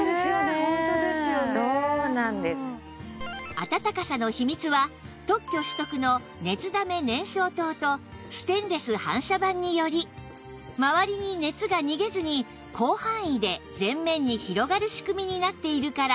暖かさの秘密は特許取得の熱溜め燃焼筒とステンレス反射板によりまわりに熱が逃げずに広範囲で前面に広がる仕組みになっているから